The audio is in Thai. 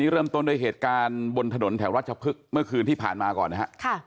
เริ่มต้นด้วยเหตุการณ์บนถนนแถวราชพฤกษ์เมื่อคืนที่ผ่านมาก่อนนะฮะ